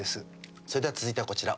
それでは、続いてはこちら。